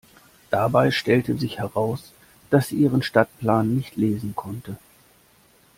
Dabei stellte sich heraus, dass sie ihren Stadtplan nicht lesen konnte.